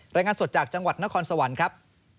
รายงานสดจากจังหวัดนครสวรรค์ครับ